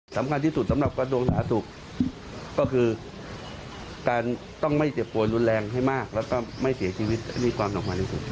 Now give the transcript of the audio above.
สำคัญที่สุดสำหรับกระทรวงสาธารณสุขก็คือการต้องไม่เจ็บป่วยรุนแรงให้มากแล้วก็ไม่เสียชีวิตให้มีความสำคัญที่สุด